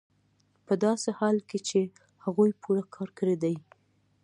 په داسې حال کې چې هغوی پوره کار کړی دی